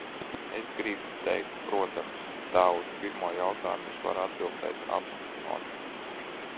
Es gribu teikt, protams, tā: uz pirmo jautājumu es varu atbildēt apstiprinoši.